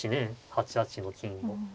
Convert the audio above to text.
８八の金を。